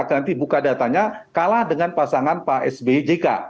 nanti buka datanya kalah dengan pasangan pak sbejk